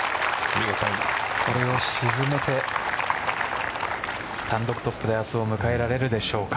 これを沈めて単独トップで明日を迎えられるでしょうか。